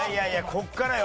ここからよ。